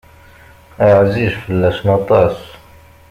Ɛziz fell-asen aṭas.